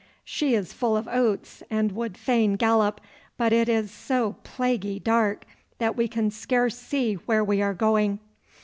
She is full of oats and would fain gallop, but it is so plaguy dark that we can scarce see where we are going.